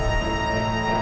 di sana juga ada mbak